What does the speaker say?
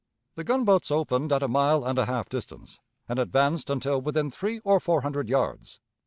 The gunboats opened at a mile and a half distance, and advanced until within three or four hundred yards.